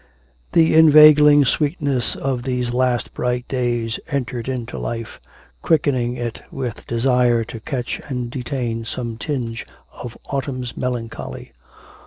The inveigling sweetness of these last bright days entered into life, quickening it with desire to catch and detain some tinge of autumn's melancholy.